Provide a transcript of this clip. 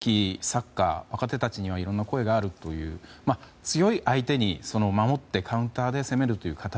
内田さん、先ほど日本の進むべきサッカー若手たちには声があるという強い相手に守ってカウンターで攻めるという形。